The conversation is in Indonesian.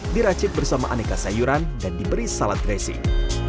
dipacit bersama aneka sayuran dan diberi salad dressing